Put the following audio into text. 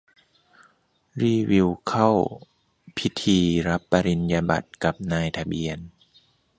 รีวิว เข้าพิธีรับปริญญาบัตรกับนายทะเบียน